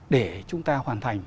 để chúng ta hoàn thành